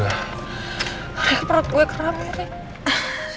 rik perut gue keram ya rik